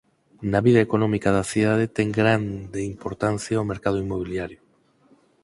Na vida económica da cidade ten grande importancia o mercado inmobiliario.